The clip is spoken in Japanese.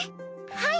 はい。